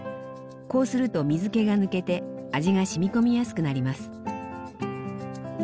こうすると水けが抜けて味が染み込みやすくなります。